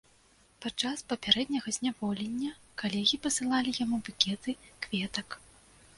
Падчас папярэдняга зняволення калегі пасылалі яму букеты кветак.